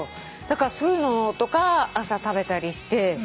だからそういうのとか朝食べたりして。